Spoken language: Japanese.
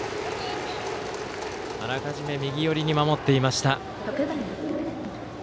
あらかじめ右寄りに守っていました。